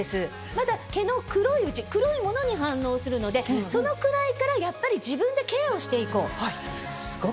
まだ毛の黒いうち黒いものに反応するのでそのくらいからやっぱり自分でケアをしていこう。